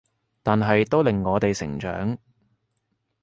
但係都令我哋成長